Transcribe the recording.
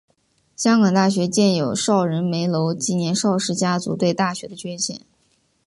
香港大学建有邵仁枚楼纪念邵氏家族对大学的捐献。